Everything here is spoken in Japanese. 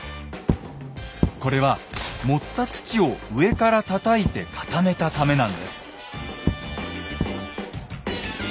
これは盛った土を上からたたいて固めたためなんです。